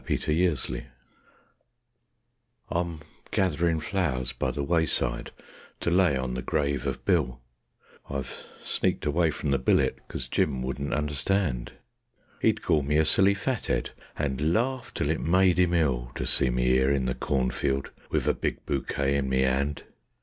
Bill's Grave I'm gatherin' flowers by the wayside to lay on the grave of Bill; I've sneaked away from the billet, 'cause Jim wouldn't understand; 'E'd call me a silly fat'ead, and larf till it made 'im ill, To see me 'ere in the cornfield, wiv a big bookay in me 'and.